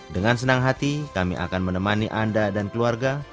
dengan senang hati kami akan menemani anda dan keluarga